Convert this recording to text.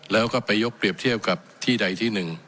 แล้วก็ไปยกเปรียบเทียบกับที่ใดที่หนึ่ง